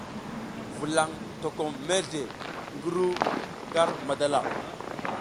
Vulaƞ tokom mezle ngi ru ar madala.